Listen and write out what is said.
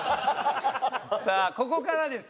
さあここからです。